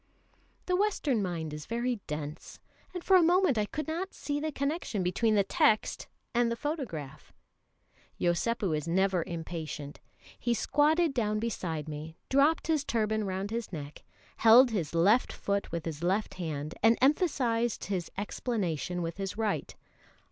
The Western mind is very dense; and for a moment I could not see the connection between the text and the photograph. Yosépu is never impatient. He squatted down beside me, dropped his turban round his neck, held his left foot with his left hand, and emphasised his explanation with his right.